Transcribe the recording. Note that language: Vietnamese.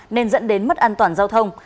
nên dẫn đến mất an toàn giao thông